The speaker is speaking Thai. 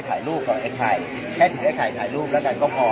สวัสดีครับพี่เบนสวัสดีครับ